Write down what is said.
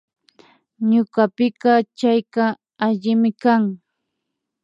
Ñukapika chayka allimi kan